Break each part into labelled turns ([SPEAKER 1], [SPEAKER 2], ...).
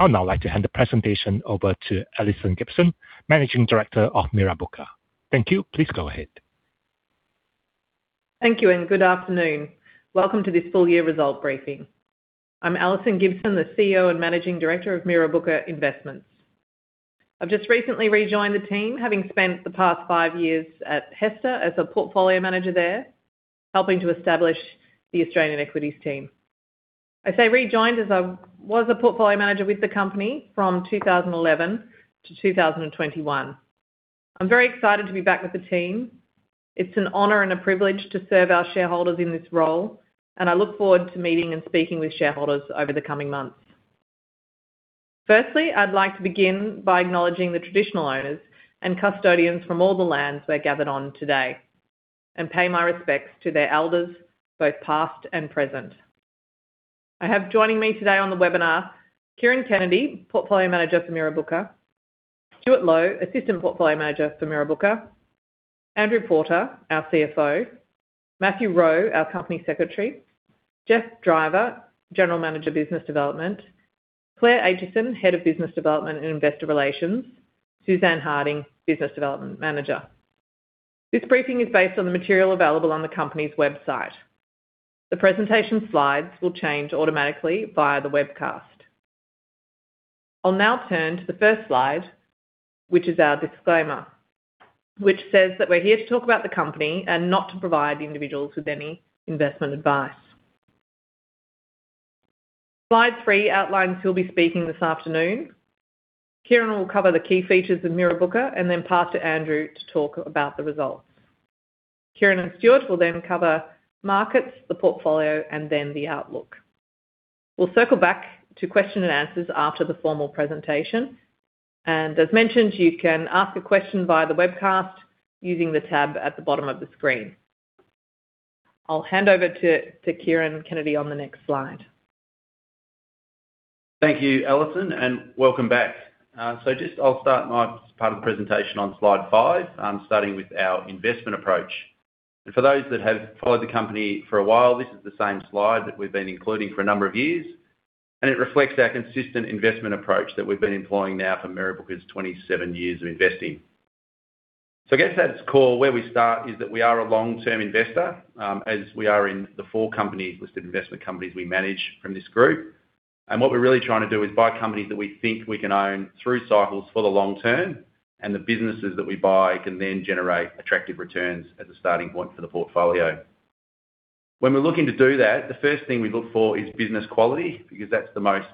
[SPEAKER 1] I would now like to hand the presentation over to Alison Gibson, Managing Director of Mirrabooka. Thank you. Please go ahead.
[SPEAKER 2] Thank you. Good afternoon. Welcome to this full-year result briefing. I'm Alison Gibson, the CEO and Managing Director of Mirrabooka Investments. I've just recently rejoined the team, having spent the past five years at HESTA as a Portfolio Manager there, helping to establish the Australian equities team. I say rejoined, as I was a Portfolio Manager with the company from 2011 to 2021. I'm very excited to be back with the team. It's an honor and a privilege to serve our shareholders in this role, and I look forward to meeting and speaking with shareholders over the coming months. Firstly, I'd like to begin by acknowledging the traditional owners and custodians from all the lands we're gathered on today, and pay my respects to their elders, both past and present. I have joining me today on the webinar, Kieran Kennedy, Portfolio Manager for Mirrabooka, Stuart Low, Assistant Portfolio Manager for Mirrabooka, Andrew Porter, our CFO, Matthew Rowe, our Company Secretary, Geoff Driver, General Manager, Business Development, Claire Aitchison, Head of Business Development and Investor Relations, Suzanne Harding, Business Development Manager. This briefing is based on the material available on the company's website. The presentation slides will change automatically via the webcast. I'll now turn to the first slide, which is our disclaimer, which says that we're here to talk about the company and not to provide individuals with any investment advice. Slide three outlines who'll be speaking this afternoon. Kieran will cover the key features of Mirrabooka, and then pass to Andrew to talk about the results. Kieran and Stuart will then cover markets, the portfolio, and then the outlook. We'll circle back to question and answers after the formal presentation. As mentioned, you can ask a question via the webcast using the tab at the bottom of the screen. I'll hand over to Kieran Kennedy on the next slide.
[SPEAKER 3] Thank you, Alison, and welcome back. Just I'll start my part of the presentation on slide five, starting with our investment approach. For those that have followed the company for a while, this is the same slide that we've been including for a number of years, and it reflects our consistent investment approach that we've been employing now for Mirrabooka's 27 years of investing. I guess at its core, where we start is that we are a long-term investor, as we are in the four companies, listed investment companies we manage from this group. What we're really trying to do is buy companies that we think we can own through cycles for the long term, and the businesses that we buy can then generate attractive returns as a starting point for the portfolio. When we're looking to do that, the first thing we look for is business quality, because that's the most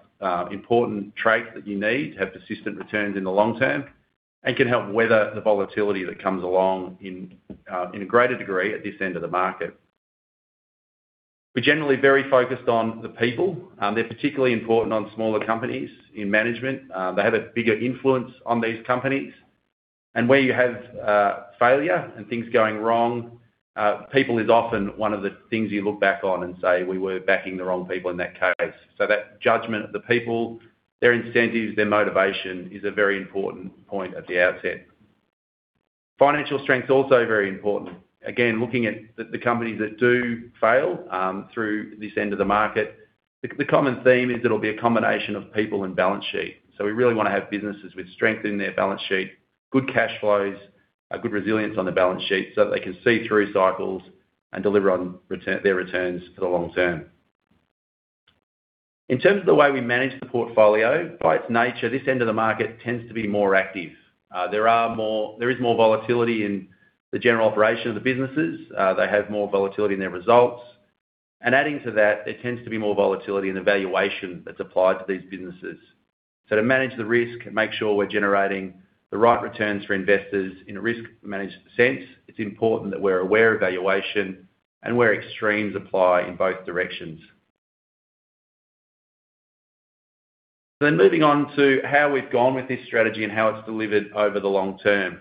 [SPEAKER 3] important trait that you need to have persistent returns in the long term and can help weather the volatility that comes along in a greater degree at this end of the market. We're generally very focused on the people. They're particularly important on smaller companies in management. They have a bigger influence on these companies. Where you have failure and things going wrong, people is often one of the things you look back on and say, we were backing the wrong people in that case. That judgment of the people, their incentives, their motivation, is a very important point at the outset. Financial strength's also very important. Again, looking at the companies that do fail through this end of the market, the common theme is it'll be a combination of people and balance sheet. We really want to have businesses with strength in their balance sheet, good cash flows, good resilience on the balance sheet, so that they can see through cycles and deliver on their returns for the long term. In terms of the way we manage the portfolio, by its nature, this end of the market tends to be more active. There is more volatility in the general operation of the businesses. They have more volatility in their results. Adding to that, there tends to be more volatility in the valuation that's applied to these businesses. To manage the risk and make sure we're generating the right returns for investors in a risk-managed sense, it's important that we're aware of valuation and where extremes apply in both directions. Moving on to how we've gone with this strategy and how it's delivered over the long term.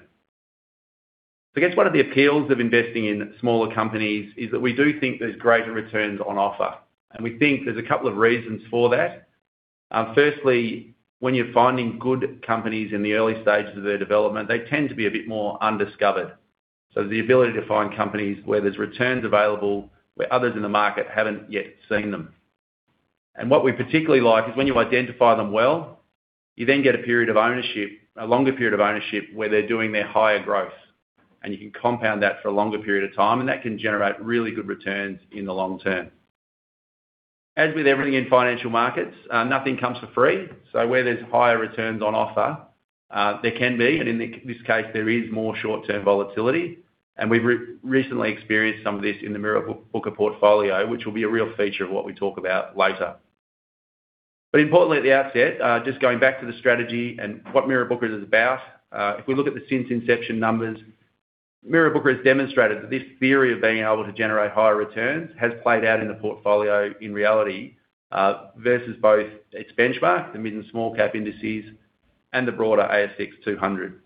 [SPEAKER 3] I guess one of the appeals of investing in smaller companies is that we do think there's greater returns on offer, and we think there's a couple of reasons for that. Firstly, when you're finding good companies in the early stages of their development, they tend to be a bit more undiscovered. The ability to find companies where there's returns available, where others in the market haven't yet seen them. What we particularly like is when you identify them well, you then get a period of ownership, a longer period of ownership, where they're doing their higher growth, and you can compound that for a longer period of time, and that can generate really good returns in the long term. As with everything in financial markets, nothing comes for free. Where there's higher returns on offer, there can be, and in this case there is, more short-term volatility, we've recently experienced some of this in the Mirrabooka portfolio, which will be a real feature of what we talk about later. Importantly at the outset, just going back to the strategy and what Mirrabooka is about, if we look at the since inception numbers, Mirrabooka has demonstrated that this theory of being able to generate higher returns has played out in the portfolio in reality, versus both its benchmark, the mid and small cap indices, and the broader ASX 200.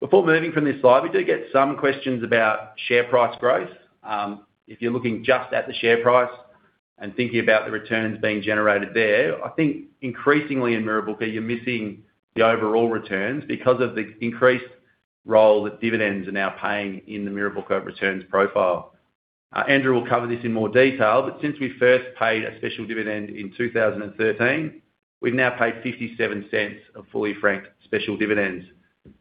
[SPEAKER 3] Before moving from this slide, we do get some questions about share price growth. If you're looking just at the share price and thinking about the returns being generated there, I think increasingly in Mirrabooka, you're missing the overall returns because of the increased role that dividends are now playing in the Mirrabooka returns profile. Andrew will cover this in more detail, since we first paid a special dividend in 2013, we've now paid 0.57 of fully franked special dividends.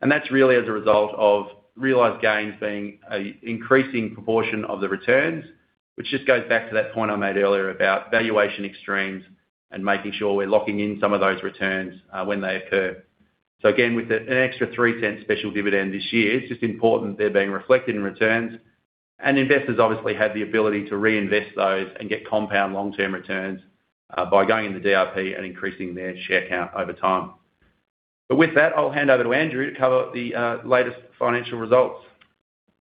[SPEAKER 3] That's really as a result of realized gains being an increasing proportion of the returns, which just goes back to that point I made earlier about valuation extremes and making sure we're locking in some of those returns when they occur. Again, with an extra 0.03 special dividend this year, it's just important they're being reflected in returns. Investors obviously have the ability to reinvest those and get compound long-term returns, by going into DRP and increasing their share count over time. With that, I'll hand over to Andrew to cover the latest financial results.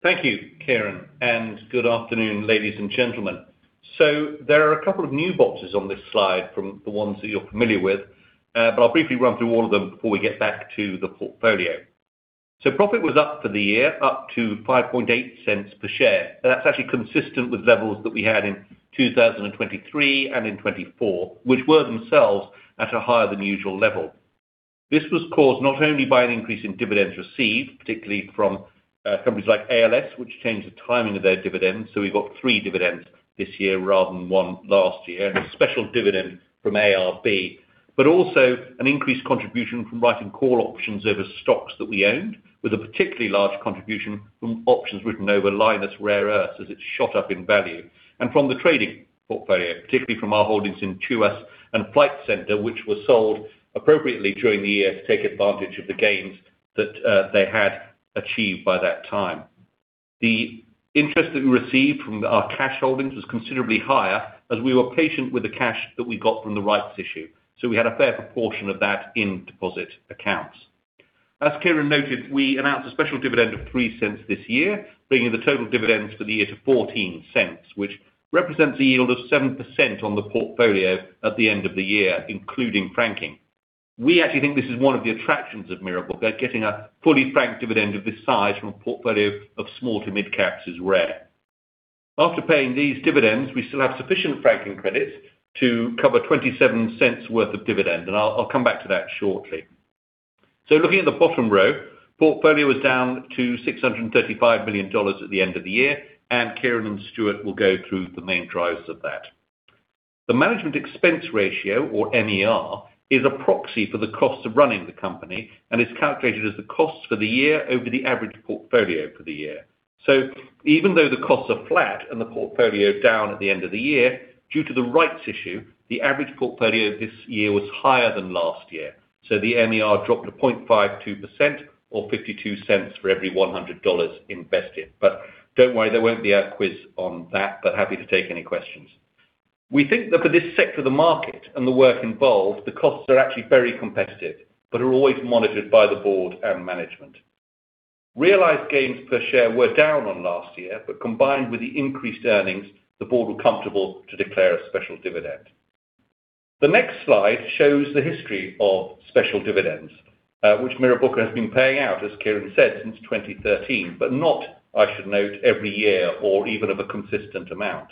[SPEAKER 4] Thank you, Kieran, and good afternoon, ladies and gentlemen. There are a couple of new boxes on this slide from the ones that you're familiar with. I'll briefly run through all of them before we get back to the portfolio. Profit was up for the year, up to 0.058 per share. That's actually consistent with levels that we had in 2023 and in 2024, which were themselves at a higher than usual level. This was caused not only by an increase in dividends received, particularly from companies like ALS, which changed the timing of their dividends, so we got three dividends this year rather than one last year, also an increased contribution from writing call options over stocks that we owned, with a particularly large contribution from options written over Lynas Rare Earths as it shot up in value. From the trading portfolio, particularly from our holdings in TUI and Flight Centre, which were sold appropriately during the year to take advantage of the gains that they had achieved by that time. The interest that we received from our cash holdings was considerably higher as we were patient with the cash that we got from the rights issue. We had a fair proportion of that in deposit accounts. As Kieran noted, we announced a special dividend of 0.03 this year, bringing the total dividends for the year to 0.14, which represents a yield of 7% on the portfolio at the end of the year, including franking. We actually think this is one of the attractions of Mirrabooka. Getting a fully franked dividend of this size from a portfolio of small to mid-caps is rare. After paying these dividends, we still have sufficient franking credits to cover 0.27 worth of dividend, and I'll come back to that shortly. Looking at the bottom row, portfolio was down to 635 million dollars at the end of the year, and Kieran and Stuart will go through the main drivers of that. The management expense ratio or MER is a proxy for the cost of running the company and is calculated as the cost for the year over the average portfolio for the year. Even though the costs are flat and the portfolio down at the end of the year, due to the rights issue, the average portfolio this year was higher than last year. The MER dropped to 0.52% or 0.52 for every 100 dollars invested. Don't worry, there won't be a quiz on that, but happy to take any questions. We think that for this sector of the market and the work involved, the costs are actually very competitive, are always monitored by the board and management. Realized gains per share were down on last year, combined with the increased earnings, the board were comfortable to declare a special dividend. The next slide shows the history of special dividends, which Mirrabooka has been paying out, as Kieran said, since 2013, not, I should note, every year or even of a consistent amount.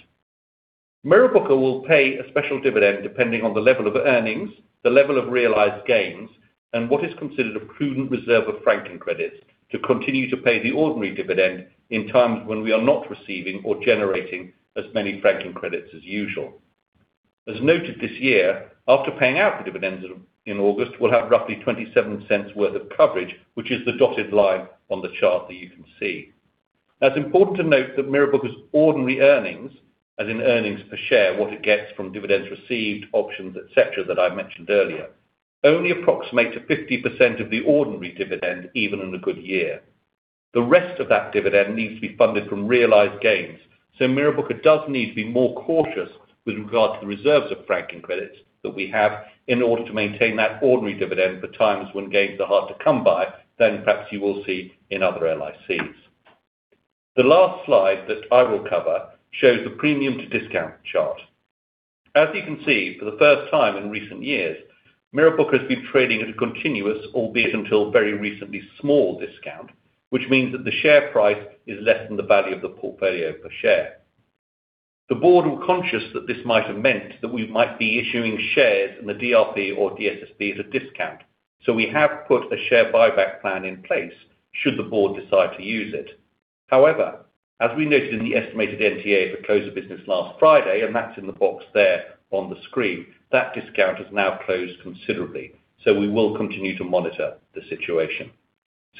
[SPEAKER 4] Mirrabooka will pay a special dividend depending on the level of earnings, the level of realized gains, and what is considered a prudent reserve of franking credits to continue to pay the ordinary dividend in times when we are not receiving or generating as many franking credits as usual. As noted this year, after paying out the dividends in August, we'll have roughly 0.27 worth of coverage, which is the dotted line on the chart that you can see. It's important to note that Mirrabooka's ordinary earnings, as in earnings per share, what it gets from dividends received, options, et cetera, that I mentioned earlier, only approximate to 50% of the ordinary dividend, even in a good year. The rest of that dividend needs to be funded from realized gains. Mirrabooka does need to be more cautious with regard to the reserves of franking credits that we have in order to maintain that ordinary dividend for times when gains are hard to come by, than perhaps you will see in other LICs. The last slide that I will cover shows the premium-to-discount chart. As you can see, for the first time in recent years, Mirrabooka has been trading at a continuous, albeit until very recently, small discount, which means that the share price is less than the value of the portfolio per share. The board were conscious that this might have meant that we might be issuing shares in the DRP or DSSP as a discount. We have put a share buyback plan in place should the board decide to use it. However, as we noted in the estimated NTA at the close of business last Friday, and that's in the box there on the screen, that discount has now closed considerably. We will continue to monitor the situation.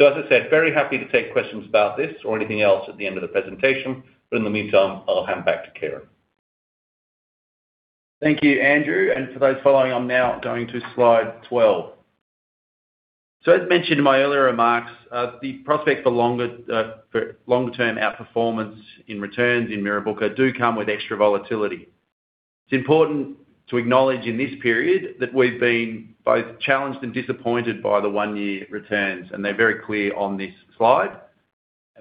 [SPEAKER 4] As I said, very happy to take questions about this or anything else at the end of the presentation. In the meantime, I'll hand back to Kieran.
[SPEAKER 3] Thank you, Andrew. For those following, I'm now going to slide 12. As mentioned in my earlier remarks, the prospect for longer-term outperformance in returns in Mirrabooka do come with extra volatility. It's important to acknowledge in this period that we've been both challenged and disappointed by the one-year returns, and they're very clear on this slide.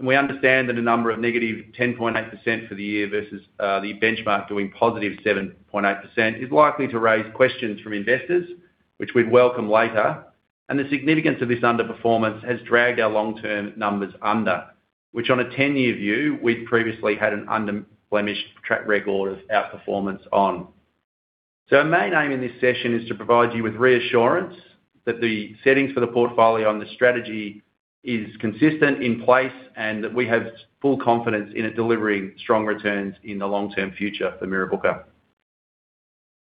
[SPEAKER 3] We understand that a number of -10.8% for the year versus the benchmark doing +7.8% is likely to raise questions from investors, which we'd welcome later. The significance of this underperformance has dragged our long-term numbers under, which on a 10-year view, we'd previously had an unblemished track record of outperformance on. Our main aim in this session is to provide you with reassurance that the settings for the portfolio and the strategy is consistent, in place, and that we have full confidence in it delivering strong returns in the long-term future for Mirrabooka.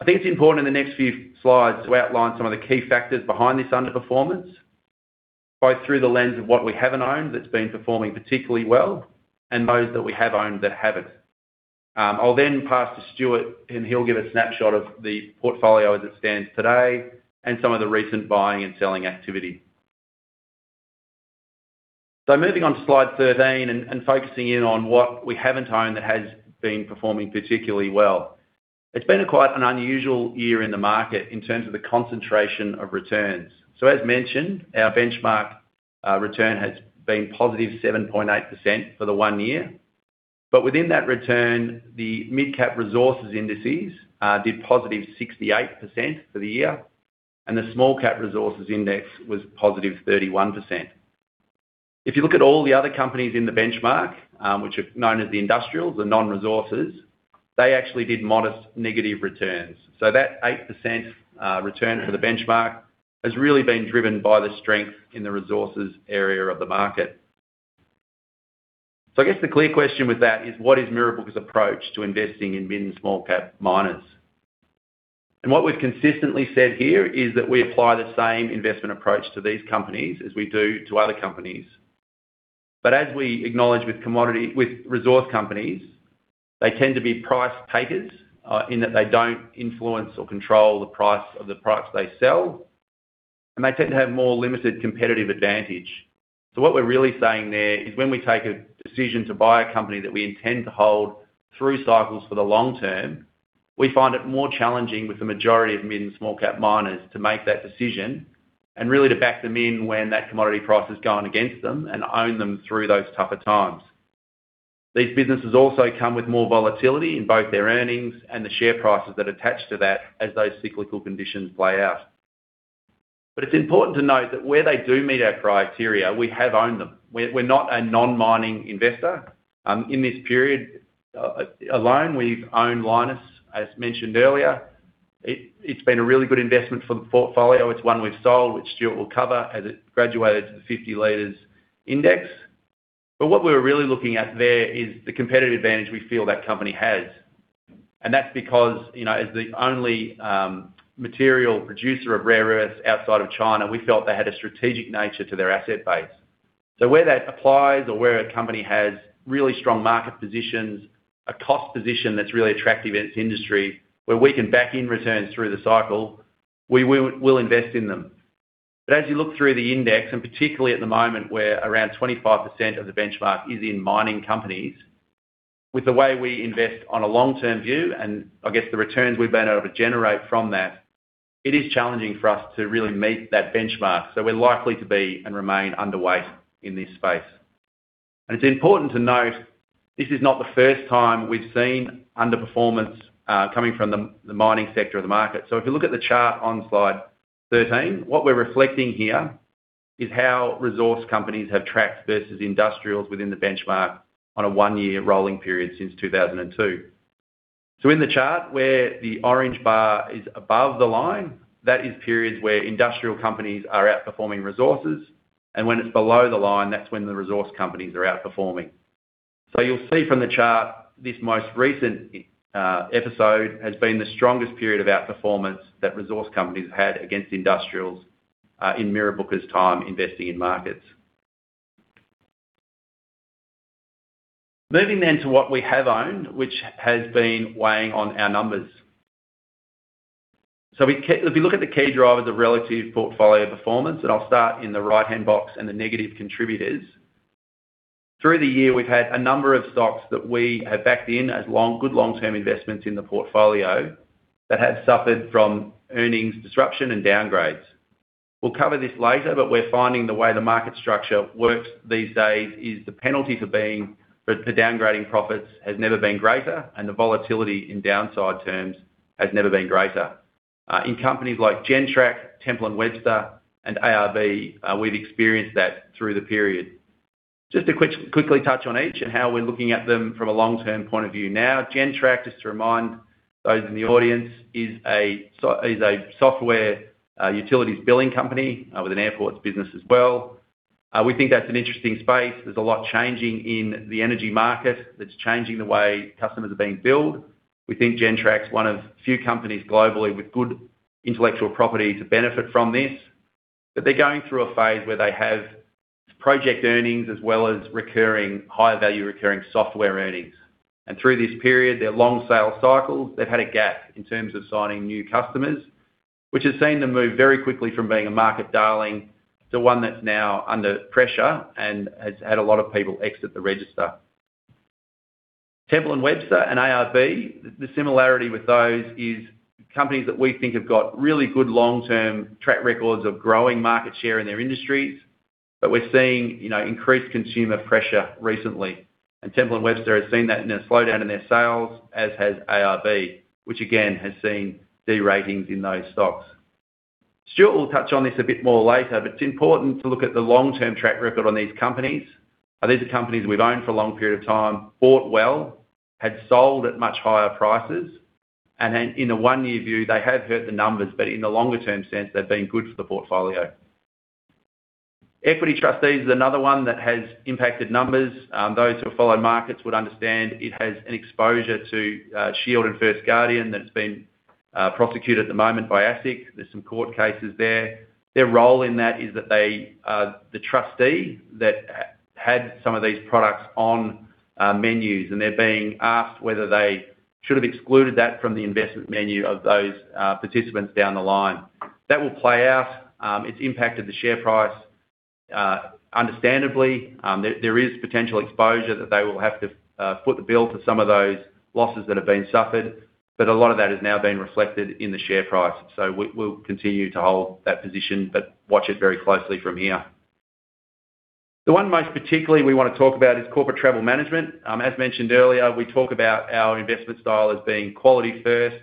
[SPEAKER 3] I think it's important in the next few slides to outline some of the key factors behind this underperformance, both through the lens of what we haven't owned that's been performing particularly well, and those that we have owned that haven't. I'll pass to Stuart, He'll give a snapshot of the portfolio as it stands today and some of the recent buying and selling activity. Moving on to slide 13 and focusing in on what we haven't owned that has been performing particularly well. It's been quite an unusual year in the market in terms of the concentration of returns. As mentioned, our benchmark return has been +7.8% for the one year. Within that return, the mid-cap resources indices did +68% for the year, and the small-cap resources index was +31%. If you look at all the other companies in the benchmark, which are known as the industrials, the non-resources, they actually did modest negative returns. That 8% return for the benchmark has really been driven by the strength in the resources area of the market. I guess the clear question with that is what is Mirrabooka's approach to investing in mid and small-cap miners? What we've consistently said here is that we apply the same investment approach to these companies as we do to other companies. As we acknowledge with resource companies, they tend to be price takers, in that they don't influence or control the price of the products they sell, and they tend to have more limited competitive advantage. What we're really saying there is when we take a decision to buy a company that we intend to hold through cycles for the long term, we find it more challenging with the majority of mid and small-cap miners to make that decision and really to back them in when that commodity price has gone against them and own them through those tougher times. These businesses also come with more volatility in both their earnings and the share prices that attach to that as those cyclical conditions play out. It's important to note that where they do meet our criteria, we have owned them. We're not a non-mining investor. In this period alone, we've owned Lynas Rare Earths, as mentioned earlier. It's been a really good investment for the portfolio. It's one we've sold, which Stuart will cover, as it graduated to the 50 leaders index. What we're really looking at there is the competitive advantage we feel that company has. That's because, as the only material producer of rare earths outside of China, we felt they had a strategic nature to their asset base. Where that applies or where a company has really strong market positions, a cost position that's really attractive in its industry, where we can back in returns through the cycle, we will invest in them. As you look through the index, and particularly at the moment, where around 25% of the benchmark is in mining companies, with the way we invest on a long-term view, and I guess the returns we've been able to generate from that, it is challenging for us to really meet that benchmark. We're likely to be and remain underweight in this space. It's important to note this is not the first time we've seen underperformance coming from the mining sector of the market. If you look at the chart on slide 13, what we're reflecting here is how resource companies have tracked versus industrials within the benchmark on a one-year rolling period since 2002. In the chart where the orange bar is above the line, that is periods where industrial companies are outperforming resources, and when it's below the line, that's when the resource companies are outperforming. You'll see from the chart, this most recent episode has been the strongest period of outperformance that resource companies had against industrials in Mirrabooka's time investing in markets. Moving to what we have owned, which has been weighing on our numbers. If you look at the key drivers of relative portfolio performance, and I'll start in the right-hand box and the negative contributors. Through the year, we've had a number of stocks that we have backed in as good long-term investments in the portfolio that have suffered from earnings disruption and downgrades. We'll cover this later. We're finding the way the market structure works these days is the penalty for downgrading profits has never been greater, and the volatility in downside terms has never been greater. In companies like Gentrack, Temple & Webster, and ARB, we've experienced that through the period. Just to quickly touch on each and how we're looking at them from a long-term point of view now. Gentrack, just to remind those in the audience, is a software utilities billing company with an airports business as well. We think that's an interesting space. There's a lot changing in the energy market that's changing the way customers are being billed. We think Gentrack's one of few companies globally with good intellectual property to benefit from this. They're going through a phase where they have project earnings as well as recurring, high-value recurring software earnings. Through this period, their long sales cycles, they've had a gap in terms of signing new customers, which has seen them move very quickly from being a market darling to one that's now under pressure and has had a lot of people exit the register. Temple & Webster and ARB, the similarity with those is companies that we think have got really good long-term track records of growing market share in their industries. We're seeing increased consumer pressure recently. Temple & Webster has seen that in a slowdown in their sales, as has ARB, which again has seen de-ratings in those stocks. Stuart will touch on this a bit more later. It's important to look at the long-term track record on these companies. These are companies we've owned for a long period of time, bought well, had sold at much higher prices. In a one-year view, they have hurt the numbers. In the longer-term sense, they've been good for the portfolio. Equity Trustees is another one that has impacted numbers. Those who have followed markets would understand it has an exposure to Shield and First Guardian that's been prosecuted at the moment by ASIC. There's some court cases there. Their role in that is that they are the trustee that had some of these products on menus, and they're being asked whether they should have excluded that from the investment menu of those participants down the line. That will play out. It's impacted the share price understandably. There is potential exposure that they will have to foot the bill to some of those losses that have been suffered. A lot of that has now been reflected in the share price. We'll continue to hold that position, watch it very closely from here. The one most particularly we want to talk about is Corporate Travel Management. As mentioned earlier, we talk about our investment style as being quality first.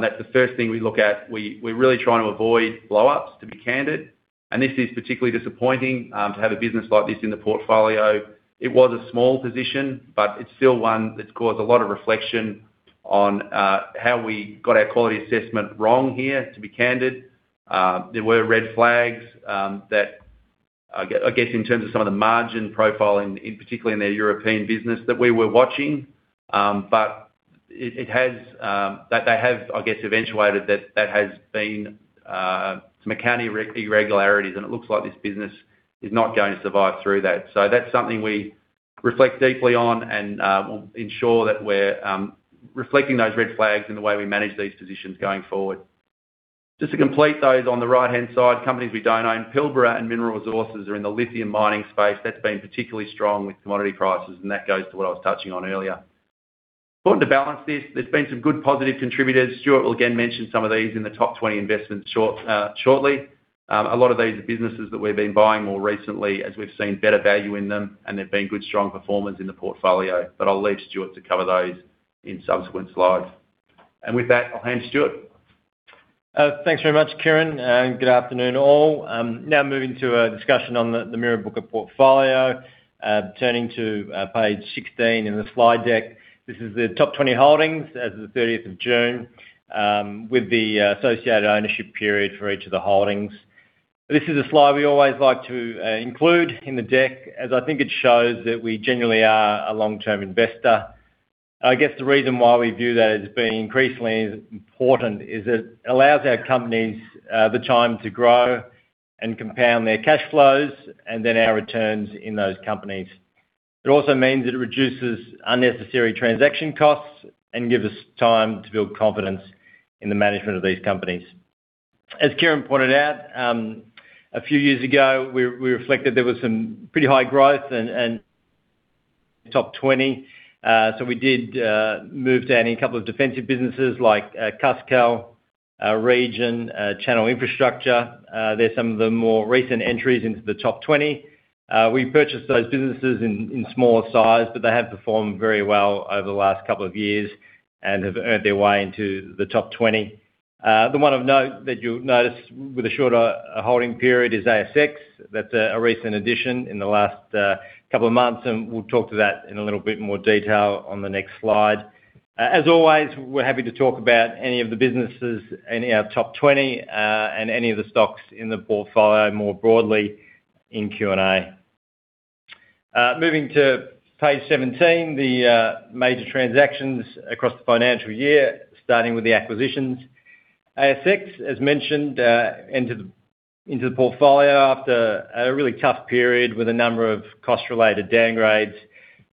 [SPEAKER 3] That's the first thing we look at. We're really trying to avoid blowups, to be candid. This is particularly disappointing to have a business like this in the portfolio. It was a small position. It's still one that's caused a lot of reflection on how we got our quality assessment wrong here, to be candid. There were red flags that, I guess, in terms of some of the margin profiling, particularly in their European business, that we were watching. They have eventuated that has been some accounting irregularities, and it looks like this business is not going to survive through that. That's something we reflect deeply on and will ensure that we're reflecting those red flags in the way we manage these positions going forward. Just to complete those on the right-hand side, companies we don't own, Pilbara Minerals and Mineral Resources are in the lithium mining space. That's been particularly strong with commodity prices, and that goes to what I was touching on earlier. Important to balance this, there's been some good positive contributors. Stuart will again mention some of these in the top 20 investments shortly. A lot of these are businesses that we've been buying more recently as we've seen better value in them, and they've been good, strong performers in the portfolio. I'll leave Stuart to cover those in subsequent slides. With that, I'll hand to Stuart.
[SPEAKER 5] Thanks very much, Kieran, and good afternoon all. Now moving to a discussion on the Mirrabooka portfolio. Turning to page 16 in the slide deck. This is the top 20 holdings as of the 30th of June, with the associated ownership period for each of the holdings. This is a slide we always like to include in the deck, as I think it shows that we generally are a long-term investor. I guess the reason why we view that as being increasingly important is it allows our companies the time to grow and compound their cash flows and then our returns in those companies. It also means that it reduces unnecessary transaction costs and gives us time to build confidence in the management of these companies. As Kieran pointed out, a few years ago, we reflected there was some pretty high growth and top 20. We did move down a couple of defensive businesses like Cuscal, Region, Channel Infrastructure. They're some of the more recent entries into the top 20. We purchased those businesses in smaller size, but they have performed very well over the last couple of years and have earned their way into the top 20. The one of note that you'll notice with a shorter holding period is ASX. That's a recent addition in the last couple of months, and we'll talk to that in a little bit more detail on the next slide. As always, we're happy to talk about any of the businesses in our top 20 and any of the stocks in the portfolio more broadly in Q&A. Moving to page 17, the major transactions across the financial year, starting with the acquisitions. ASX, as mentioned, entered into the portfolio after a really tough period with a number of cost-related downgrades,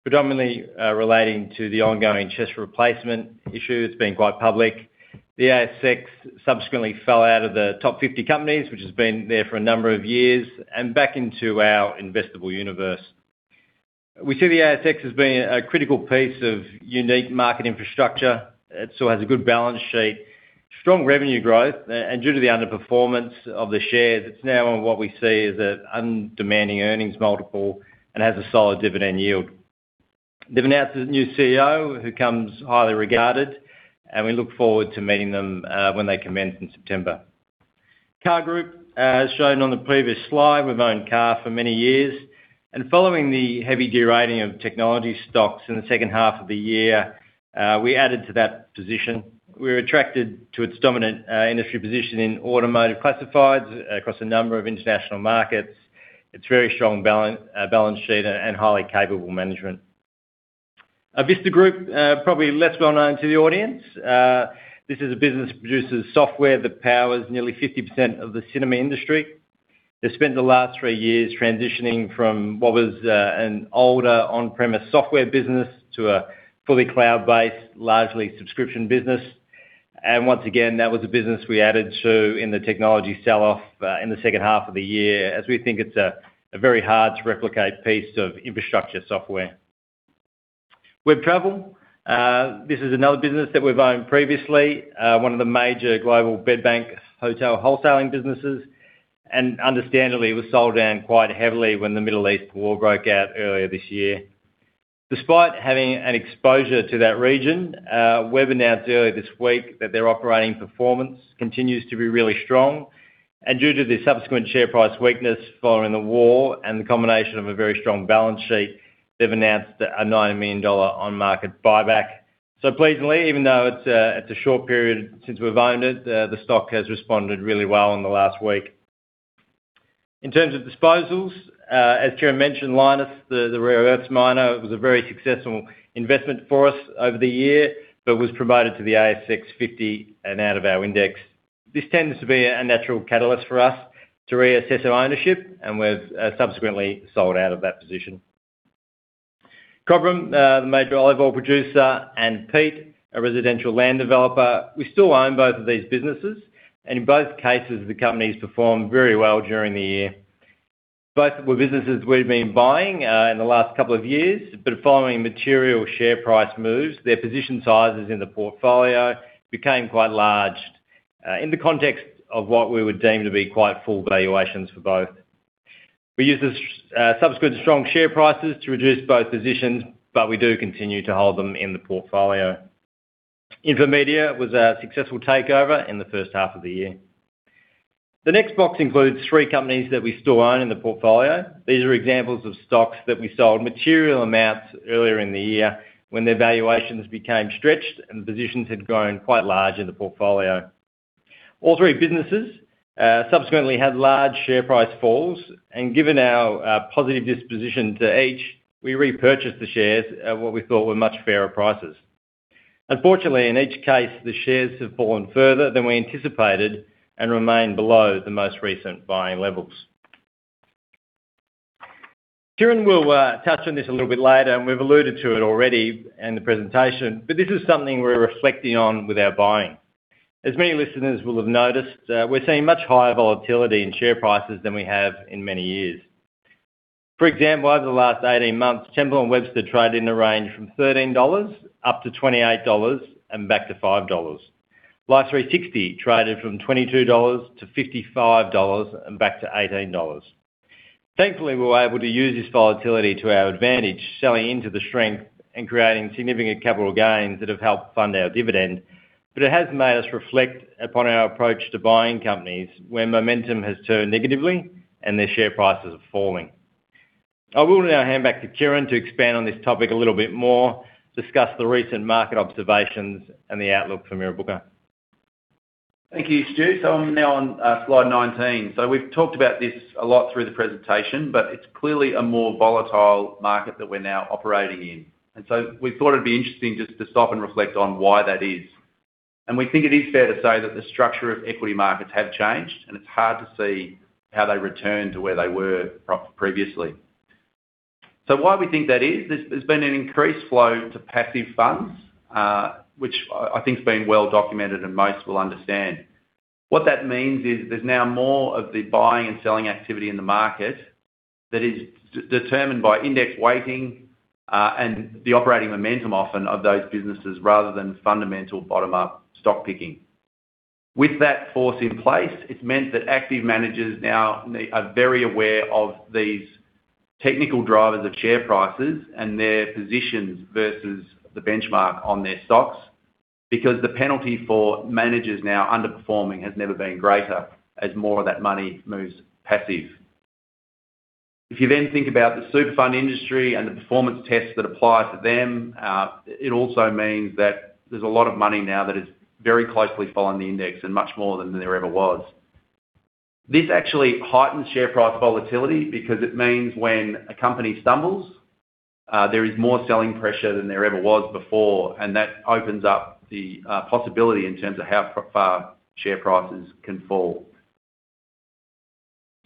[SPEAKER 5] predominantly relating to the ongoing CHESS replacement issue that has been quite public. The ASX subsequently fell out of the top 50 companies, which has been there for a number of years, and back into our investable universe. We see the ASX as being a critical piece of unique market infrastructure. It still has a good balance sheet, strong revenue growth, and due to the underperformance of the shares, it is now on what we see as an undemanding earnings multiple and has a solid dividend yield. They have announced a new CEO who comes highly regarded, and we look forward to meeting them when they commence in September. CAR Group, as shown on the previous slide, we have owned CAR Group for many years, and following the heavy derating of technology stocks in the second half of the year, we added to that position. We are attracted to its dominant industry position in automotive classifieds across a number of international markets, its very strong balance sheet, and highly capable management. Vista Group, probably less well-known to the audience. This is a business that produces software that powers nearly 50% of the cinema industry. They spent the last three years transitioning from what was an older on-premise software business to a fully cloud-based, largely subscription business. Once again, that was a business we added to in the technology sell-off in the second half of the year, as we think it is a very hard-to-replicate piece of infrastructure software. Web Travel, this is another business that we have owned previously, one of the major global bed bank hotel wholesaling businesses. Understandably, was sold down quite heavily when the Middle East war broke out earlier this year. Despite having an exposure to that region, we have announced earlier this week that their operating performance continues to be really strong. Due to the subsequent share price weakness following the war and the combination of a very strong balance sheet, they have announced an 9 million dollar on-market buyback. Pleasingly, even though it is a short period since we have owned it, the stock has responded really well in the last week. In terms of disposals, as Kieran mentioned, Lynas Rare Earths, the rare earths miner, was a very successful investment for us over the year, but was promoted to the ASX 50 and out of our index. This tends to be a natural catalyst for us to reassess our ownership, we have subsequently sold out of that position. Cobram Estate Olives, the major olive oil producer, and Peet, a residential land developer, we still own both of these businesses, and in both cases, the companies performed very well during the year. Both were businesses we have been buying in the last couple of years, but following material share price moves, their position sizes in the portfolio became quite large in the context of what we would deem to be quite full valuations for both. We used the subsequent strong share prices to reduce both positions, but we do continue to hold them in the portfolio. Infomedia was a successful takeover in the first half of the year. The next box includes three companies that we still own in the portfolio. These are examples of stocks that we sold material amounts earlier in the year when their valuations became stretched, and the positions had grown quite large in the portfolio. All three businesses subsequently had large share price falls, and given our positive disposition to each, we repurchased the shares at what we thought were much fairer prices. Unfortunately, in each case, the shares have fallen further than we anticipated and remain below the most recent buying levels. Kieran Kennedy will touch on this a little bit later, and we've alluded to it already in the presentation, but this is something we're reflecting on with our buying. As many listeners will have noticed, we're seeing much higher volatility in share prices than we have in many years. For example, over the last 18 months, Temple & Webster traded in a range from 13 dollars up to 28 dollars and back to 5 dollars. Life360 traded from 22-55 dollars and back to 18 dollars. Thankfully, we were able to use this volatility to our advantage, selling into the strength and creating significant capital gains that have helped fund our dividend. It has made us reflect upon our approach to buying companies where momentum has turned negatively and their share prices are falling. I will now hand back to Kieran to expand on this topic a little bit more, discuss the recent market observations and the outlook for Mirrabooka Investments.
[SPEAKER 3] Thank you, Stuart. I'm now on slide 19. We've talked about this a lot through the presentation, but it's clearly a more volatile market that we're now operating in. We thought it'd be interesting just to stop and reflect on why that is. We think it is fair to say that the structure of equity markets have changed, and it's hard to see how they return to where they were previously. Why we think that is, there's been an increased flow to passive funds, which I think has been well documented and most will understand. What that means is there's now more of the buying and selling activity in the market that is determined by index weighting, and the operating momentum often of those businesses rather than fundamental bottom-up stock picking. With that force in place, it's meant that active managers now are very aware of these technical drivers of share prices and their positions versus the benchmark on their stocks, because the penalty for managers now underperforming has never been greater as more of that money moves passive. If you think about the super fund industry and the performance tests that apply to them, it also means that there's a lot of money now that is very closely following the index and much more than there ever was. This actually heightens share price volatility because it means when a company stumbles, there is more selling pressure than there ever was before, and that opens up the possibility in terms of how far share prices can fall.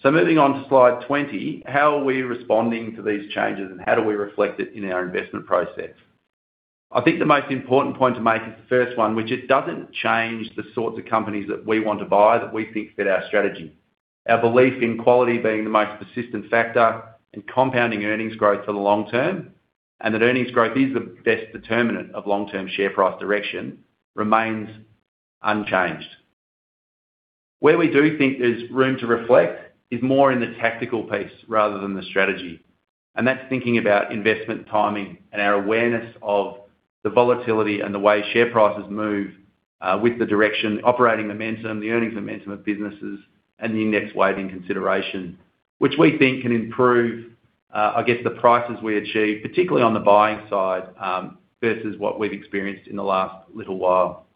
[SPEAKER 3] Moving on to slide 20, how are we responding to these changes and how do we reflect it in our investment process? I think the most important point to make is the first one, which it doesn't change the sorts of companies that we want to buy that we think fit our strategy. Our belief in quality being the most persistent factor and compounding earnings growth for the long term, and that earnings growth is the best determinant of long-term share price direction remains unchanged. Where we do think there's room to reflect is more in the tactical piece rather than the strategy, and that's thinking about investment timing and our awareness of the volatility and the way share prices move with the direction, operating momentum, the earnings momentum of businesses, and the index weighting consideration. Which we think can improve, I guess, the prices we achieve, particularly on the buying side versus what we've experienced in the last little while.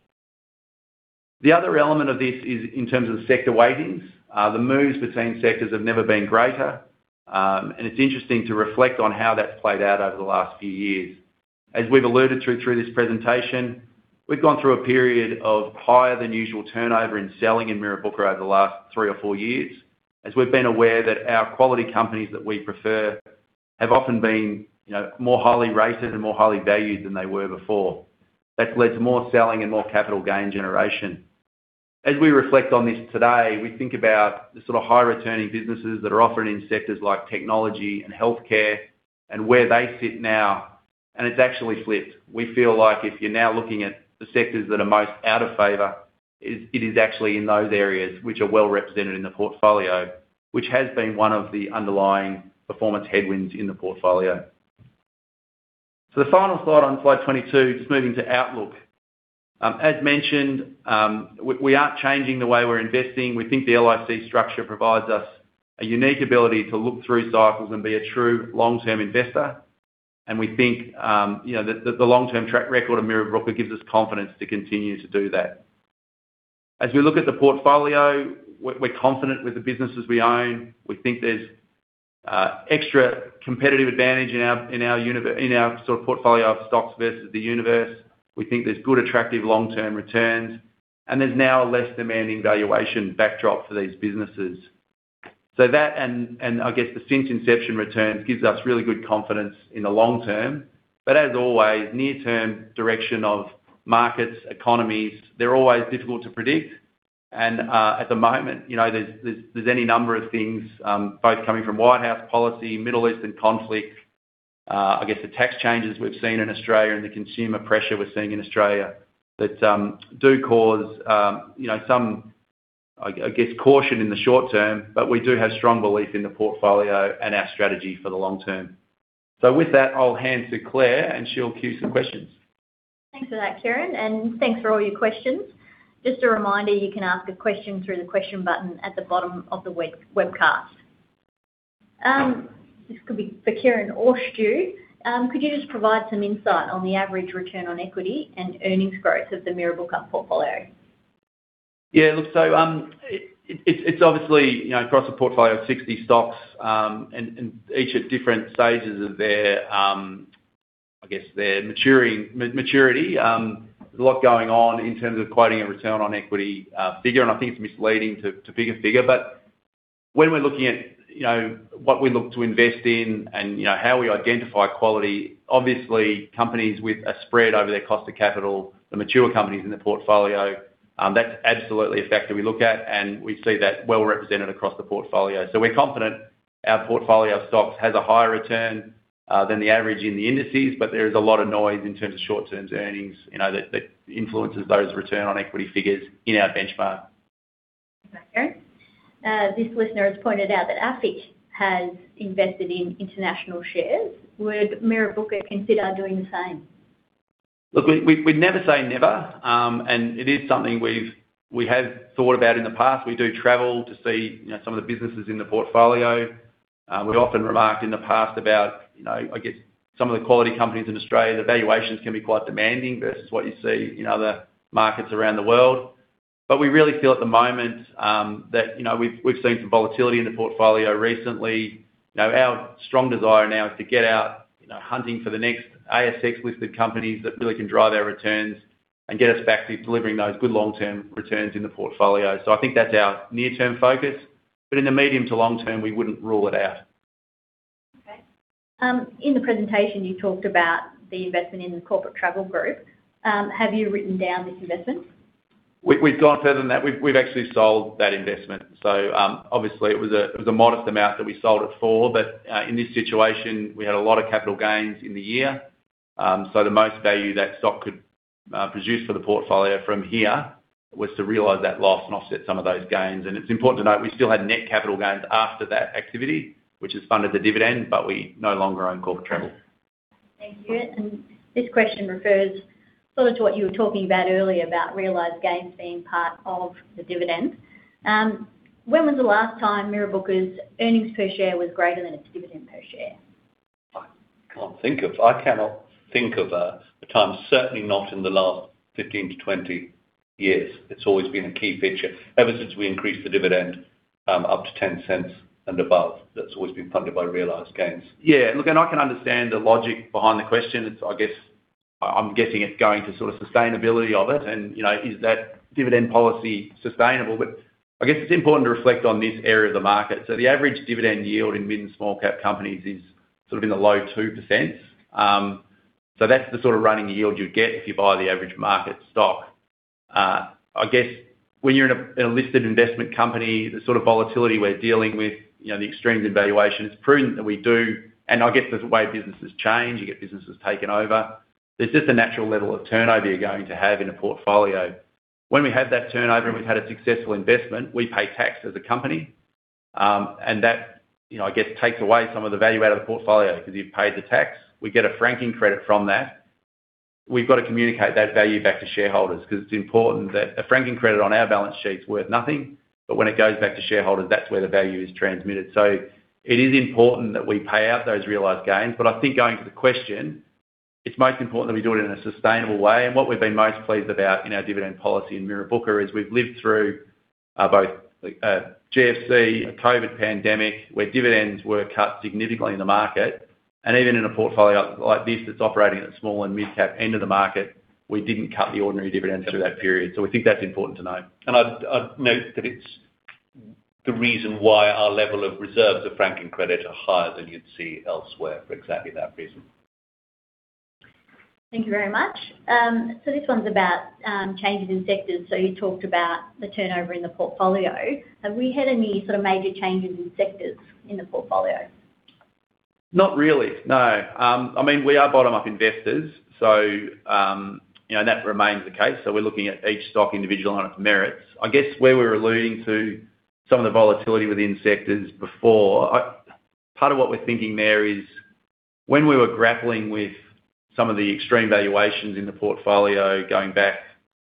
[SPEAKER 3] The other element of this is in terms of sector weightings. The moves between sectors have never been greater. It's interesting to reflect on how that's played out over the last few years. As we've alluded to through this presentation, we've gone through a period of higher than usual turnover in selling in Mirrabooka over the last three or four years, as we've been aware that our quality companies that we prefer have often been more highly rated and more highly valued than they were before. That's led to more selling and more capital gain generation. As we reflect on this today, we think about the sort of high returning businesses that are offered in sectors like technology and healthcare and where they sit now, and it's actually flipped. We feel like if you're now looking at the sectors that are most out of favor, it is actually in those areas which are well-represented in the portfolio, which has been one of the underlying performance headwinds in the portfolio. The final slide on slide 22, just moving to outlook. As mentioned, we aren't changing the way we're investing. We think the LIC structure provides us a unique ability to look through cycles and be a true long-term investor, and we think that the long-term track record of Mirrabooka gives us confidence to continue to do that. As we look at the portfolio, we're confident with the businesses we own. We think there's extra competitive advantage in our portfolio of stocks versus the universe. We think there's good, attractive long-term returns, and there's now a less demanding valuation backdrop for these businesses. That, and I guess the since inception returns gives us really good confidence in the long term. As always, near-term direction of markets, economies, they're always difficult to predict. At the moment, there's any number of things both coming from White House policy, Middle Eastern conflict, I guess the tax changes we've seen in Australia and the consumer pressure we're seeing in Australia that do cause some caution in the short term, but we do have strong belief in the portfolio and our strategy for the long term. With that, I'll hand to Claire and she'll queue some questions.
[SPEAKER 6] Thanks for that, Kieran, and thanks for all your questions. Just a reminder, you can ask a question through the question button at the bottom of the webcast. This could be for Kieran or Stu. Could you just provide some insight on the average return on equity and earnings growth of the Mirrabooka portfolio?
[SPEAKER 3] Yeah. Look, it's obviously across a portfolio of 60 stocks and each at different stages of their maturity. There's a lot going on in terms of quoting a return on equity figure, and I think it's misleading to pick a figure. When we're looking at what we look to invest in and how we identify quality, obviously companies with a spread over their cost of capital, the mature companies in the portfolio, that's absolutely a factor we look at, and we see that well represented across the portfolio. We're confident our portfolio of stocks has a higher return than the average in the indices, but there is a lot of noise in terms of short-term earnings, that influences those return on equity figures in our benchmark.
[SPEAKER 6] Okay. This listener has pointed out that AFIC has invested in international shares. Would Mirrabooka consider doing the same?
[SPEAKER 3] Look, we'd never say never, and it is something we have thought about in the past. We do travel to see some of the businesses in the portfolio. We've often remarked in the past about some of the quality companies in Australia, the valuations can be quite demanding versus what you see in other markets around the world. We really feel at the moment that we've seen some volatility in the portfolio recently. Our strong desire now is to get out hunting for the next ASX-listed companies that really can drive our returns and get us back to delivering those good long-term returns in the portfolio. I think that's our near-term focus, but in the medium to long term, we wouldn't rule it out.
[SPEAKER 6] Okay. In the presentation, you talked about the investment in the Corporate Travel Management. Have you written down this investment?
[SPEAKER 3] We've gone further than that. We've actually sold that investment. Obviously it was a modest amount that we sold it for, but in this situation, we had a lot of capital gains in the year. The most value that stock could produce for the portfolio from here was to realize that loss and offset some of those gains. It's important to note, we still had net capital gains after that activity, which has funded the dividend, but we no longer own Corporate Travel Management.
[SPEAKER 6] Thank you. This question refers sort of to what you were talking about earlier, about realized gains being part of the dividend. When was the last time Mirrabooka's earnings per share was greater than its dividend per share?
[SPEAKER 4] I cannot think of a time, certainly not in the last 15 to 20 years. It's always been a key feature. Ever since we increased the dividend up to 0.10 and above, that's always been funded by realized gains.
[SPEAKER 3] I can understand the logic behind the question. I'm guessing it's going to sort of sustainability of it, and is that dividend policy sustainable? I guess it's important to reflect on this area of the market. The average dividend yield in mid- and small-cap companies is sort of in the low 2%. That's the sort of running yield you'd get if you buy the average market stock. I guess when you're in a listed investment company, the sort of volatility we're dealing with, the extremes in valuation, it's prudent that we do, and I guess the way businesses change, you get businesses taken over. There's just a natural level of turnover you're going to have in a portfolio. When we have that turnover and we've had a successful investment, we pay tax as a company, and that takes away some of the value out of the portfolio because you've paid the tax. We get a franking credit from that. We've got to communicate that value back to shareholders because it's important that a franking credit on our balance sheet is worth nothing, but when it goes back to shareholders, that's where the value is transmitted. It is important that we pay out those realized gains. I think going to the question, it's most important that we do it in a sustainable way. What we've been most pleased about in our dividend policy in Mirrabooka is we've lived through both a GFC, a COVID pandemic, where dividends were cut significantly in the market. Even in a portfolio like this that's operating at small- and mid-cap end of the market, we didn't cut the ordinary dividends through that period. We think that's important to note.
[SPEAKER 4] I'd note that it's the reason why our level of reserves of franking credit are higher than you'd see elsewhere for exactly that reason.
[SPEAKER 6] Thank you very much. This one's about changes in sectors. You talked about the turnover in the portfolio. Have we had any sort of major changes in sectors in the portfolio?
[SPEAKER 3] Not really, no. We are bottom-up investors, and that remains the case. We're looking at each stock individual on its merits. I guess where we're alluding to some of the volatility within sectors before, part of what we're thinking there is when we were grappling with some of the extreme valuations in the portfolio going back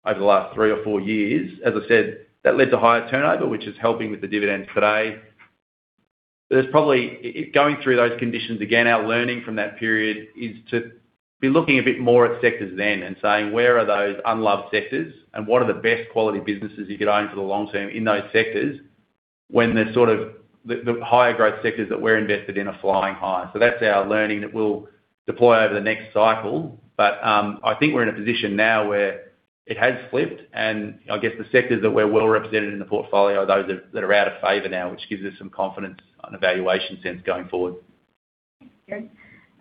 [SPEAKER 3] over the last three or four years, as I said, that led to higher turnover, which is helping with the dividends today. There's probably, going through those conditions again, our learning from that period is to be looking a bit more at sectors then and saying, where are those unloved sectors and what are the best quality businesses you could own for the long term in those sectors, when the higher growth sectors that we're invested in are flying high? That's our learning that we'll deploy over the next cycle. I think we're in a position now where it has flipped and, I guess the sectors that we're well-represented in the portfolio are those that are out of favor now, which gives us some confidence and evaluation sense going forward.
[SPEAKER 6] Thanks you.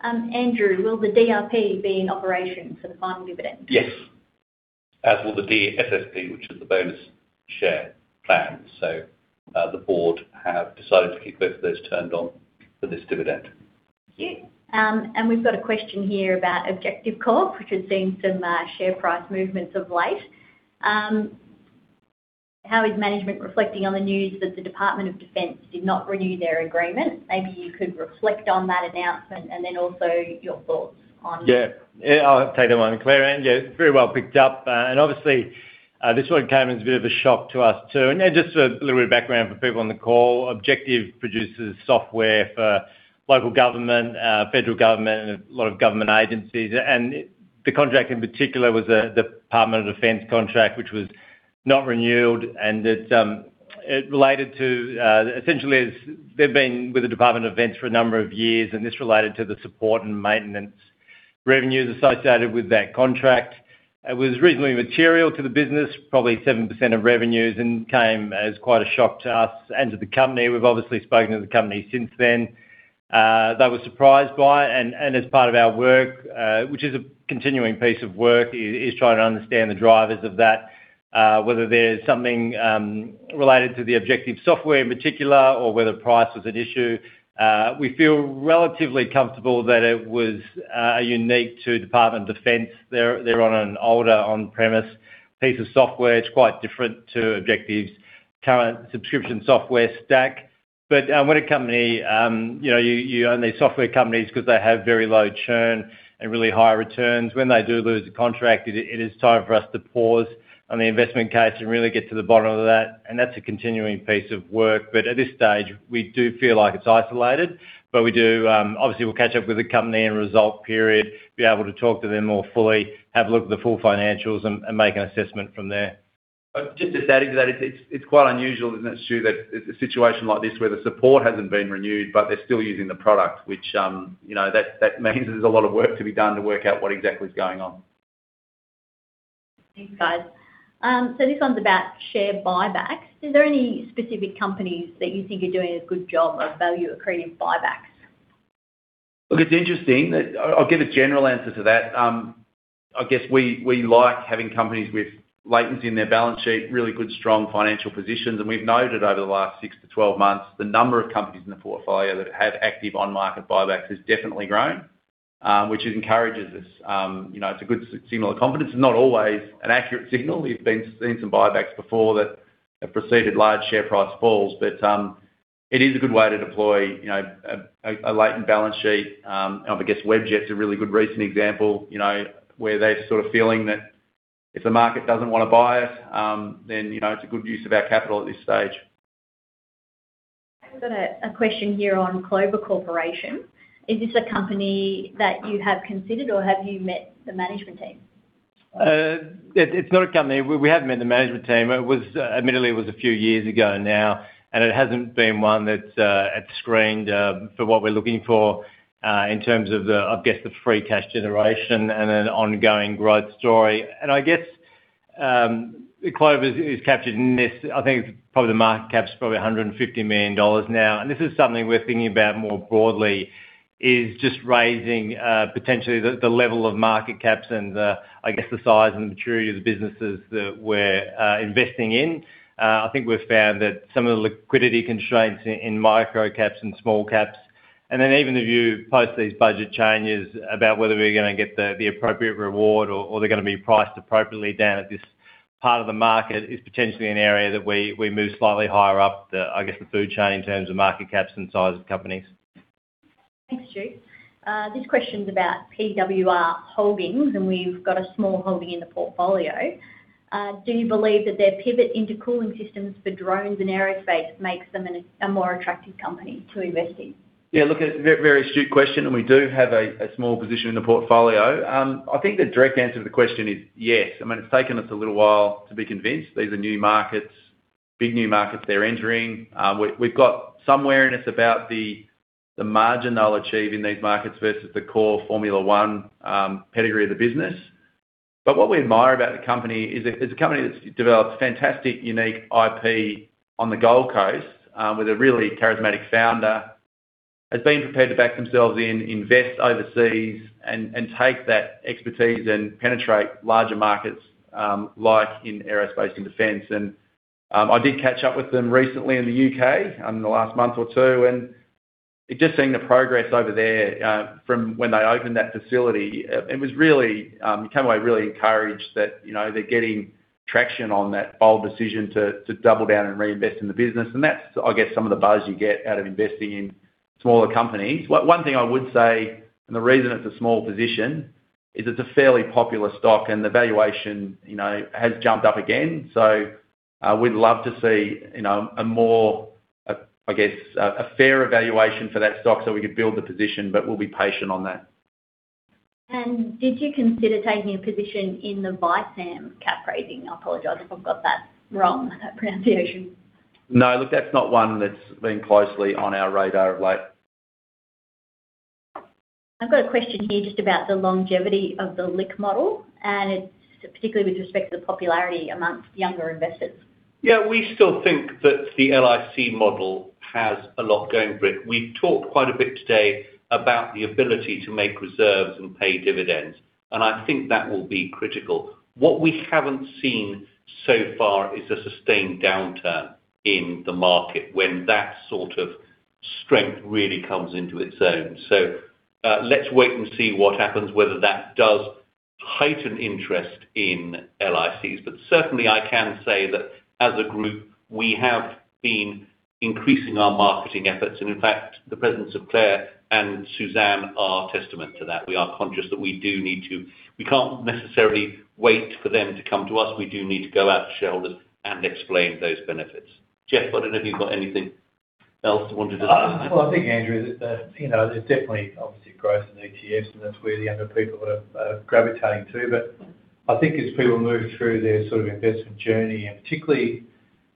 [SPEAKER 6] Andrew, will the DRP be in operation for the final dividend?
[SPEAKER 4] Yes. As will the DSSP, which is the bonus share plan. The board have decided to keep both of those turned on for this dividend.
[SPEAKER 6] Thank you. We've got a question here about Objective Corporation, which has seen some share price movements of late. How is management reflecting on the news that the Department of Defense did not renew their agreement? Maybe you could reflect on that announcement and then also your thoughts on.
[SPEAKER 5] I'll take that one, Claire. Very well picked up. Obviously, this one came in as a bit of a shock to us too. Just a little bit of background for people on the call, Objective Corporation produces software for local government, federal government, and a lot of government agencies. The contract in particular was a Department of Defense contract, which was not renewed. It related to, essentially, they've been with the Department of Defense for a number of years, and this related to the support and maintenance revenues associated with that contract. It was reasonably material to the business, probably 7% of revenues, and came as quite a shock to us and to the company. We've obviously spoken to the company since then. They were surprised by it, and as part of our work, which is a continuing piece of work, is trying to understand the drivers of that, whether there's something related to the Objective Corporation software in particular or whether price was an issue. We feel relatively comfortable that it was unique to Department of Defense. They're on an older on-premise piece of software. It's quite different to Objective Corporation's current subscription software stack. When a company You own these software companies because they have very low churn and really high returns. When they do lose a contract, it is time for us to pause on the investment case and really get to the bottom of that, and that's a continuing piece of work. At this stage, we do feel like it's isolated. We'll catch up with the company in result period, be able to talk to them more fully, have a look at the full financials and make an assessment from there.
[SPEAKER 3] Just to add to that, it's quite unusual isn't it Stu? That a situation like this where the support hasn't been renewed, but they are still using the product. Which you know- that means there's a lot of work to be done to work out what exactly is going on.
[SPEAKER 6] Thanks, guys. This one's about share buybacks. Is there any specific companies that you think are doing a good job of value-accreting buybacks?
[SPEAKER 3] Look, it's interesting. I'll give a general answer to that. I guess we like having companies with latency in their balance sheet, really good, strong financial positions. We've noted over the last six to 12 months, the number of companies in the portfolio that have active on-market buybacks has definitely grown, which encourages us. It's a good signal of confidence. It's not always an accurate signal. We've seen some buybacks before that have preceded large share price falls. It is a good way to deploy a latent balance sheet. I guess Webjet's a really good recent example, where they're feeling that if the market doesn't want to buy us, then it's a good use of our capital at this stage.
[SPEAKER 6] We've got a question here on Clover Corporation. Is this a company that you have considered, or have you met the management team?
[SPEAKER 5] It's not a company. We have met the management team. Admittedly, it was a few years ago now, it hasn't been one that's screened for what we're looking for, in terms of the, I guess, the free cash generation and an ongoing growth story. I guess Clover Corporation is captured in this. I think probably the market cap's probably 150 million dollars now. This is something we're thinking about more broadly, is just raising potentially the level of market caps and, I guess the size and maturity of the businesses that we're investing in. I think we've found that some of the liquidity constraints in micro caps and small caps, and then even if you post these budget changes about whether we're going to get the appropriate reward or they're going to be priced appropriately down at this part of the market, is potentially an area that we move slightly higher up the, I guess, the food chain in terms of market caps and size of companies.
[SPEAKER 6] Thanks, Stu. This question's about PWR Holdings, and we've got a small holding in the portfolio. Do you believe that their pivot into cooling systems for drones and aerospace makes them a more attractive company to invest in?
[SPEAKER 3] Yeah, look, a very astute question, and we do have a small position in the portfolio. I think the direct answer to the question is yes. It's taken us a little while to be convinced. These are new markets, big new markets they're entering. We've got some wariness about the margin they'll achieve in these markets versus the core Formula One pedigree of the business. What we admire about the company is it's a company that's developed fantastic, unique IP on the Gold Coast, with a really charismatic founder, has been prepared to back themselves in, invest overseas and take that expertise and penetrate larger markets, like in aerospace and defense. I did catch up with them recently in the U.K. in the last month or two, and just seeing the progress over there from when they opened that facility, you come away really encouraged that they're getting traction on that bold decision to double down and reinvest in the business. That's, I guess, some of the buzz you get out of investing in smaller companies. One thing I would say, and the reason it's a small position, is it's a fairly popular stock and the valuation has jumped up again. We'd love to see a fair evaluation for that stock so we could build the position, but we'll be patient on that.
[SPEAKER 6] Did you consider taking a position in the Vista Group cap raising? I apologize if I've got that wrong, that pronunciation.
[SPEAKER 3] No, look, that's not one that's been closely on our radar of late.
[SPEAKER 6] I've got a question here just about the longevity of the LIC model. It's particularly with respect to the popularity amongst younger investors.
[SPEAKER 4] Yeah, we still think that the LIC model has a lot going for it. We've talked quite a bit today about the ability to make reserves and pay dividends. I think that will be critical. What we haven't seen so far is a sustained downturn in the market when that sort of strength really comes into its own. Let's wait and see what happens, whether that does heighten interest in LICs. Certainly, I can say that as a group, we have been increasing our marketing efforts. In fact, the presence of Claire and Suzanne are testament to that. We are conscious that we can't necessarily wait for them to come to us. We do need to go out, show, and explain those benefits. Geoff, I don't know if you've got anything else.
[SPEAKER 7] Well, I think, Andrew, there's definitely obviously growth in ETFs and that's where the younger people are gravitating to. I think as people move through their investment journey, and particularly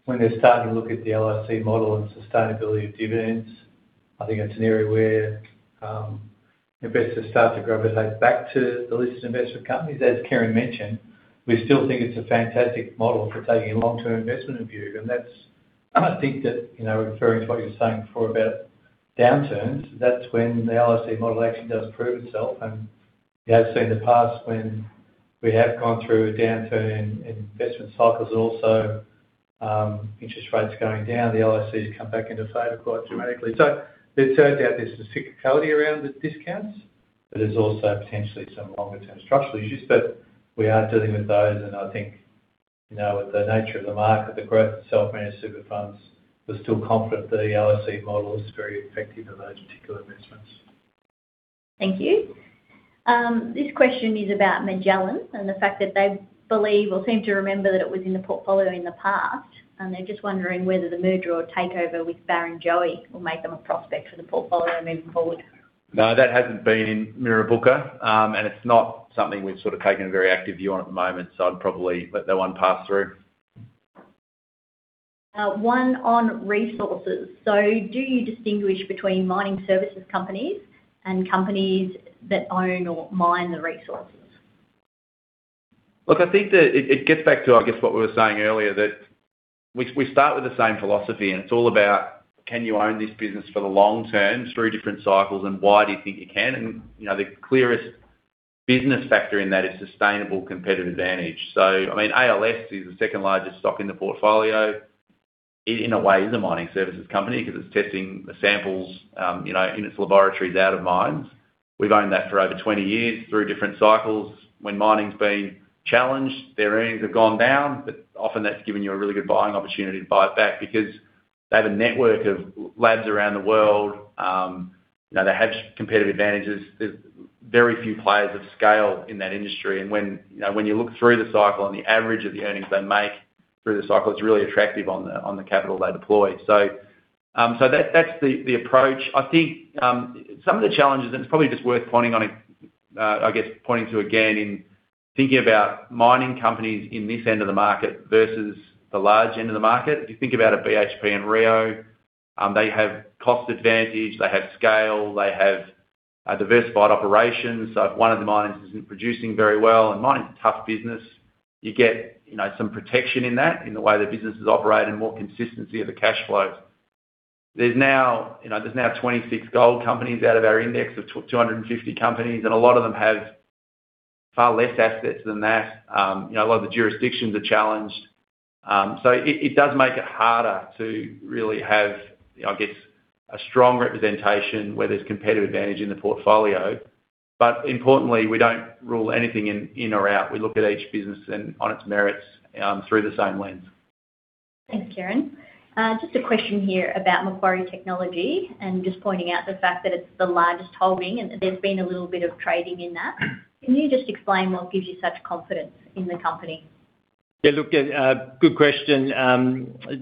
[SPEAKER 7] when they're starting to look at the LIC model and sustainability of dividends, I think that's an area where investors start to gravitate back to the listed investment companies. As Kieran mentioned, we still think it's a fantastic model for taking a long-term investment view. That's, I think that, referring to what you were saying before about downturns, that's when the LIC model action does prove itself. We have seen the past when we have gone through a downturn in investment cycles and also interest rates going down, the LIC has come back into favor quite dramatically. There's no doubt there's a cyclicality around the discounts, there's also potentially some longer-term structural issues. We are dealing with those. I think with the nature of the market, the growth of self-managed super funds, we're still confident that the LIC model is very effective in those particular investments.
[SPEAKER 6] Thank you. This question is about Magellan and the fact that they believe or seem to remember that it was in the portfolio in the past, and they're just wondering whether the merger or takeover with Barrenjoey will make them a prospect for the portfolio moving forward.
[SPEAKER 3] No, that hasn't been in Mirrabooka, and it's not something we've taken a very active view on at the moment, so I'd probably let that one pass through.
[SPEAKER 6] One on resources. Do you distinguish between mining services companies and companies that own or mine the resources?
[SPEAKER 3] Look, I think that it gets back to what we were saying earlier, that we start with the same philosophy, and it's all about can you own this business for the long term through different cycles, and why do you think you can? The clearest business factor in that is sustainable competitive advantage. ALS is the second largest stock in the portfolio. It, in a way, is a mining services company because it's testing the samples in its laboratories out of mines. We've owned that for over 20 years through different cycles. When mining's been challenged, their earnings have gone down, but often that's given you a really good buying opportunity to buy it back because they have a network of labs around the world. They have competitive advantages. There's very few players of scale in that industry, and when you look through the cycle and the average of the earnings they make through the cycle, it's really attractive on the capital they deploy. That's the approach. I think some of the challenges, and it's probably just worth pointing to again in thinking about mining companies in this end of the market versus the large end of the market. If you think about a BHP and Rio Tinto, they have cost advantage. They have scale. They have diversified operations. If one of the mines isn't producing very well, and mining's a tough business, you get some protection in that in the way the businesses operate and more consistency of the cash flows. There's now 26 gold companies out of our index of 250 companies, and a lot of them have far less assets than that. A lot of the jurisdictions are challenged. It does make it harder to really have a strong representation where there's competitive advantage in the portfolio. Importantly, we don't rule anything in or out. We look at each business and on its merits through the same lens.
[SPEAKER 6] Thanks, Kieran. Just a question here about Macquarie Technology and just pointing out the fact that it's the largest holding and there's been a little bit of trading in that. Can you just explain what gives you such confidence in the company?
[SPEAKER 5] Good question.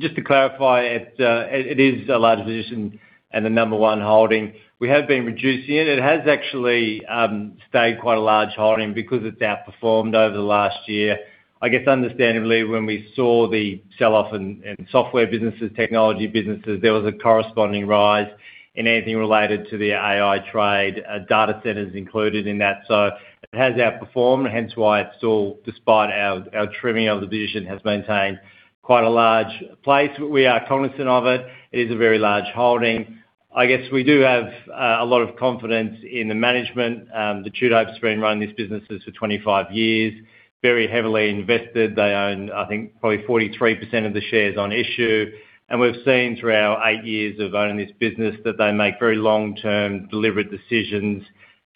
[SPEAKER 5] Just to clarify, it is a large position and the number one holding. We have been reducing it. It has actually stayed quite a large holding because it's outperformed over the last year. I guess understandably, when we saw the sell-off in software businesses, technology businesses, there was a corresponding rise in anything related to the AI trade, data centers included in that. It has outperformed, hence why it still, despite our trimming of the division, has maintained quite a large place. We are cognizant of it. It is a very large holding. I guess we do have a lot of confidence in the management. The Tudehopes have been running these businesses for 25 years, very heavily invested. They own, I think, probably 43% of the shares on issue, and we've seen through our eight years of owning this business that they make very long-term, deliberate decisions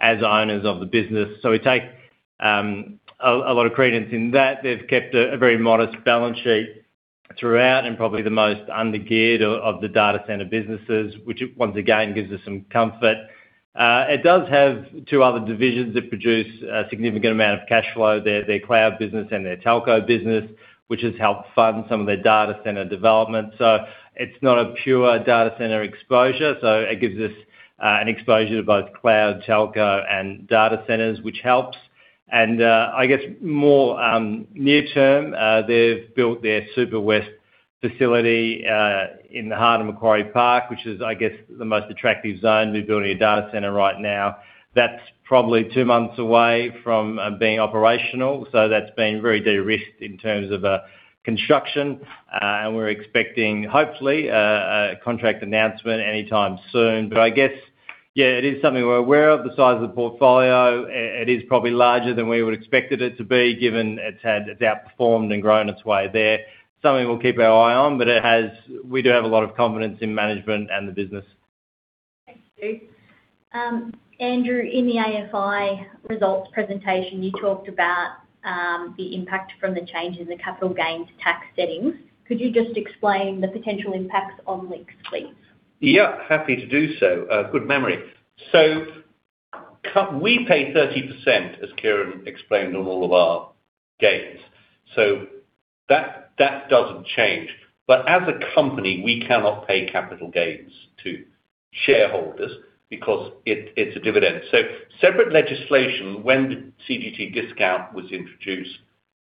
[SPEAKER 5] as owners of the business. We take a lot of credence in that. They've kept a very modest balance sheet throughout and probably the most under-geared of the data center businesses, which once again gives us some comfort. It does have two other divisions that produce a significant amount of cash flow, their cloud business and their telco business, which has helped fund some of their data center development. It's not a pure data center exposure, so it gives us an exposure to both cloud, telco, and data centers, which helps. I guess more near term, they've built their Super West facility in the heart of Macquarie Park, which is, I guess the most attractive zone to be building a data center right now. That's probably two months away from being operational, so that's been very de-risked in terms of construction. We're expecting, hopefully, a contract announcement anytime soon. I guess, yeah, it is something we're aware of, the size of the portfolio. It is probably larger than we would expected it to be given it's outperformed and grown its way there. Something we'll keep our eye on, but we do have a lot of confidence in management and the business.
[SPEAKER 6] Thanks, Stu. Andrew, in the AFI results presentation, you talked about the impact from the change in the capital gains tax settings. Could you just explain the potential impacts on LICs, please?
[SPEAKER 4] Happy to do so. Good memory. We pay 30%, as Kieran explained, on all of our gains, so that doesn't change. As a company, we cannot pay capital gains to shareholders because it's a dividend. Separate legislation, when the CGT discount was introduced,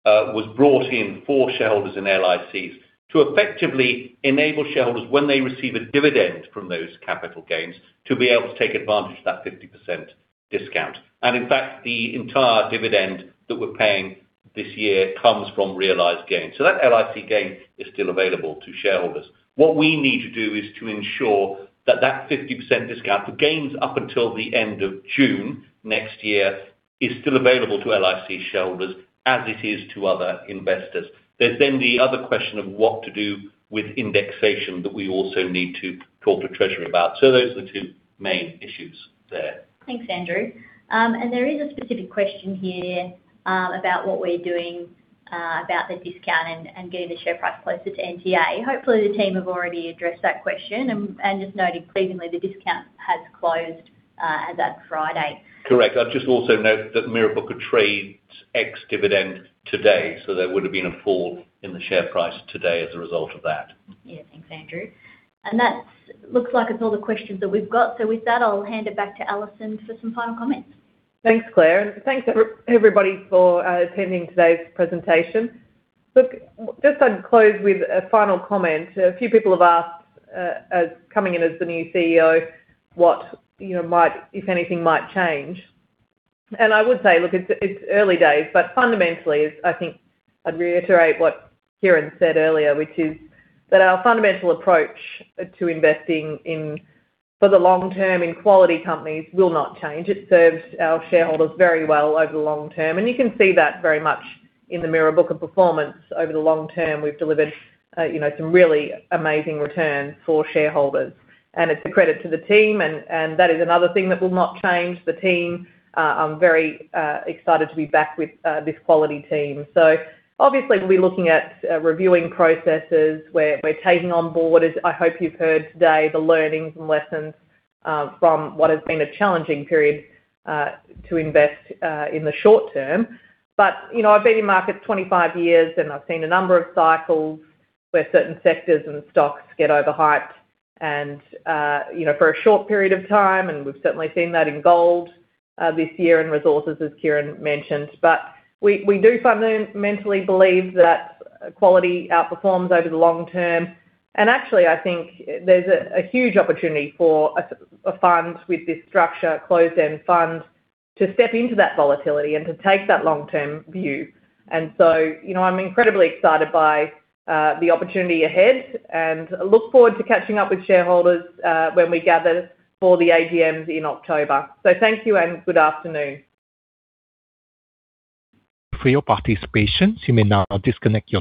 [SPEAKER 4] was brought in for shareholders in LICs to effectively enable shareholders, when they receive a dividend from those capital gains, to be able to take advantage of that 50% discount. In fact, the entire dividend that we're paying this year comes from realized gains. That LIC gain is still available to shareholders. What we need to do is to ensure that that 50% discount for gains up until the end of June next year is still available to LIC shareholders as it is to other investors. There's then the other question of what to do with indexation that we also need to talk to Treasury about. Those are the two main issues there.
[SPEAKER 6] Thanks, Andrew. There is a specific question here about what we're doing about the discount and getting the share price closer to NTA. Hopefully, the team have already addressed that question, and just note increasingly the discount has closed as at Friday.
[SPEAKER 4] Correct. I'll just also note that Mirrabooka trades ex-dividend today, so there would've been a fall in the share price today as a result of that.
[SPEAKER 6] Yeah. Thanks, Andrew. That looks like it's all the questions that we've got. With that, I'll hand it back to Alison for some final comments.
[SPEAKER 2] Thanks, Claire, and thanks everybody for attending today's presentation. Just to close with a final comment. A few people have asked, coming in as the new CEO, what, if anything, might change. I would say, it's early days, but fundamentally, I think I'd reiterate what Kieran said earlier, which is that our fundamental approach to investing for the long term in quality companies will not change. It served our shareholders very well over the long term, and you can see that very much in the Mirrabooka performance. Over the long term, we've delivered some really amazing returns for shareholders, and it's a credit to the team, and that is another thing that will not change, the team. I'm very excited to be back with this quality team. Obviously, we'll be looking at reviewing processes. We're taking on board, as I hope you've heard today, the learnings and lessons from what has been a challenging period to invest in the short term. I've been in markets 25 years, and I've seen a number of cycles where certain sectors and stocks get over-hyped and for a short period of time, and we've certainly seen that in gold this year and resources, as Kieran mentioned. We do fundamentally believe that quality outperforms over the long term. Actually, I think there's a huge opportunity for a fund with this structure, a closed-end fund, to step into that volatility and to take that long-term view. I'm incredibly excited by the opportunity ahead and look forward to catching up with shareholders when we gather for the AGMs in October. Thank you and good afternoon.
[SPEAKER 1] For your participation, you may now disconnect your.